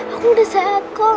aku udah sehat kok